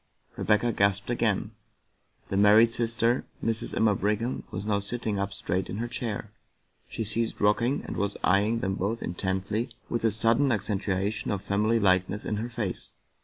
Rebecca gasped again. The married sister, Mrs. Emma Brigham, was now sitting up straight in her chair ; she had ceased rocking, and was eyeing them both intently with a sudden accentuation of family likeness in her face.